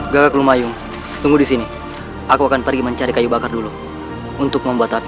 galak lumayung tunggu di sini aku akan pergi mencari kayu bakar dulu untuk membuat api